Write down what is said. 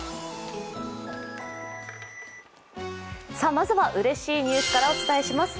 まずはうれしいニュースからお伝えします。